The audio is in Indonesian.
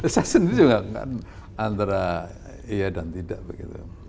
saya sendiri juga kan antara iya dan tidak begitu